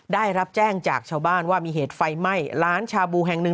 ได้รับแจ้งจากชาวบ้านว่ามีเหตุไฟไหม้ร้านชาบูแห่งหนึ่ง